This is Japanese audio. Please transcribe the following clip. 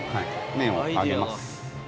麺を上げます。